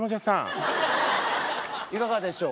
いかがでしょう？